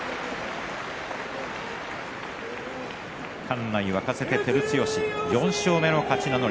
館内沸かせて照強４勝目の勝ち名乗り。